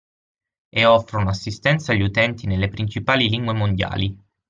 E offrono assistenza agli utenti nelle principali lingue mondiali.